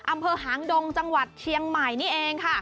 อำเภอหางดงจังหวัดเชียงใหม่นี่เองค่ะ